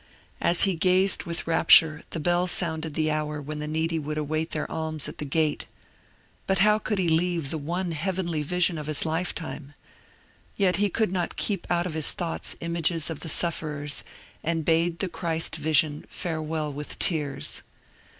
As he gazed with rapture the bell sounded the hour when the needy would await their alms at the gate. But how could he leave the one heavenly vision of his lifetime ? Yet he could not keep out of his thoughts images of the sufferers, and bade the Christ vbion farewell with tears.